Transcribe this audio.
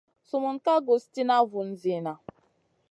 Sumun ka guss tìna vun zina.